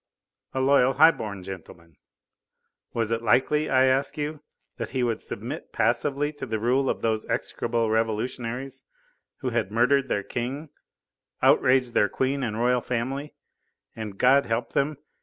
A loyal high born gentleman; was it likely, I ask you, that he would submit passively to the rule of those execrable revolutionaries who had murdered their King, outraged their Queen and Royal family, and, God help them!